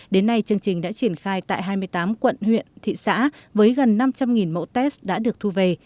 đến nay chương trình đã triển khai tại hai mươi tám quận huyện thị xã với gần năm trăm linh mẫu test đã được thu về